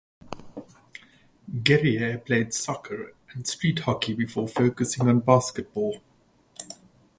Guerrier played soccer and street hockey before focusing on basketball.